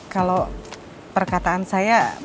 kalau perkataan saya